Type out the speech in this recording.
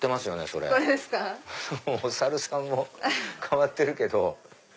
そのお猿さんも変わってるけど。